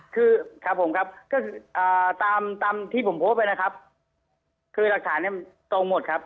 คือครับผมครับก็คือตามตามที่ผมโพสต์ไปนะครับคือหลักฐานเนี่ยตรงหมดครับ